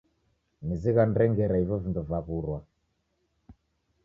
Nizighanire ngera ivo vindo vaw'urwa.